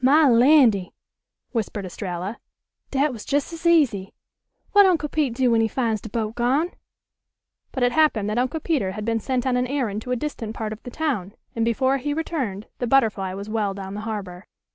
"My landy," whispered Estralla, "dat was jes' as easy. W'at Uncle Pete do w'en he fin's de boat gone?" But it happened that Uncle Peter had been sent on an errand to a distant part of the town, and before he returned the Butterfly was well down the harbor.